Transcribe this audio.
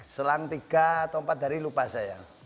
selang tiga atau empat hari lupa saya